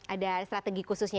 ada strategi khususnya